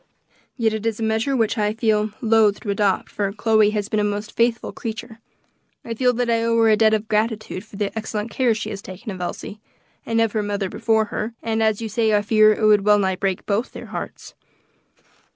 Yet it is a measure I feel loth to adopt, for Chloe has been a most faithful creature. I feel that I owe her a debt of gratitude for the excellent care she has taken of Elsie, and of her mother before her, and as you say, I fear it would wellnigh break both their hearts.